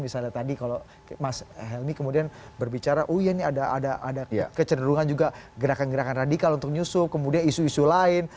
misalnya tadi kalau mas helmi kemudian berbicara oh ya ini ada kecenderungan juga gerakan gerakan radikal untuk nyusu kemudian isu isu lain